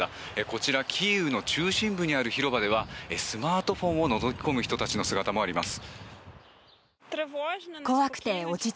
こちらキーウの中心部にある広場ではスマートフォンをのぞき込む人たちの姿もあります。